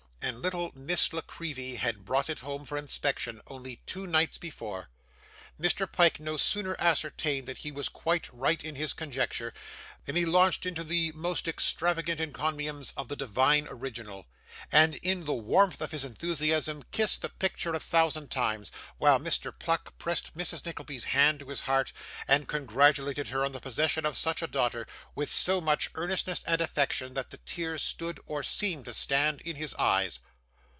And little Miss La Creevy had brought it home for inspection only two nights before. Mr. Pyke no sooner ascertained that he was quite right in his conjecture, than he launched into the most extravagant encomiums of the divine original; and in the warmth of his enthusiasm kissed the picture a thousand times, while Mr. Pluck pressed Mrs. Nickleby's hand to his heart, and congratulated her on the possession of such a daughter, with so much earnestness and affection, that the tears stood, or seemed to stand, in his eyes.